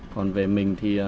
còn về mình thì